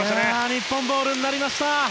日本ボールになりました。